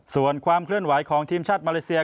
ส่วนความเคลื่อนไหวของทีมชาติมาเลเซีย